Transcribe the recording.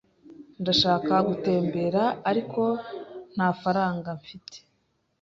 Ndashaka gutembera, ariko nta faranga mfite.